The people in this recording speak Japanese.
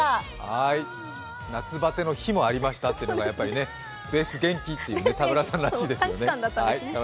はーい、夏バテの日もありましたっていうのがね、ベース元気っていう田村さんらしいですよね。